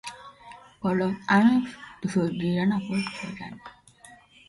Con los años, Sugiyama ha cultivado la discografía de la serie Dragon Quest.